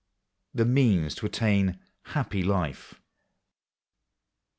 THE MEANS TO ATTAIN HAPPY LIFE.